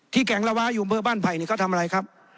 แก่งระวาอยู่อำเภอบ้านไผ่นี่เขาทำอะไรครับ